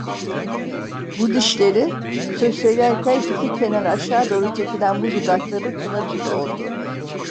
Bu dişleri, söz söylerken iki kenarı aşağı doğru çekilen bu dudakları tanır gibi oldu.